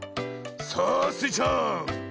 さあスイちゃん。